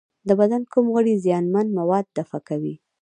د بدن کوم غړي زیانمن مواد دفع کوي؟